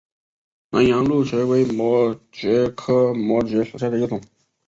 南洋蕗蕨为膜蕨科膜蕨属下的一个种。